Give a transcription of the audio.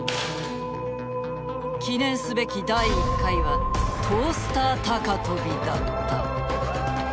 記念すべき第１回はトースター高跳びだった。